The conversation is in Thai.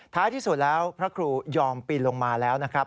ที่สุดแล้วพระครูยอมปีนลงมาแล้วนะครับ